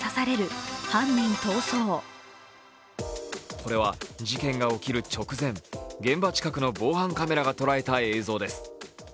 これは事件が起きる直前、現場近くの防犯カメラが捉えた映像です。